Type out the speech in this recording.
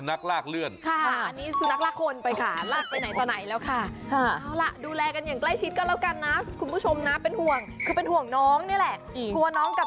ถูกซูนักลากไปลากมานี่คืสูนักลากน้องน่ะ